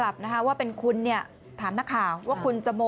เบรกให้ทนท้ายครับ๓ครั้งน่ะ